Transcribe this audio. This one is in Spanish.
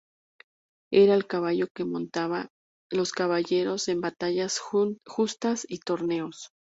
Era el caballo que montaban los caballeros en batallas, justas y torneos.